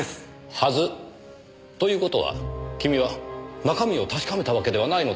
「はず」という事は君は中身を確かめたわけではないのですか？